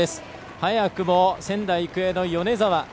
早くも仙台育英の米澤。